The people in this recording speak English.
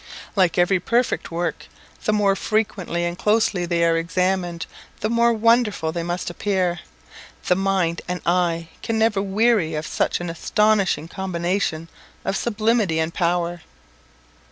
Like every perfect work, the more frequently and closely they are examined, the more wonderful they must appear; the mind and eye can never weary of such an astonishing combination of sublimity and power.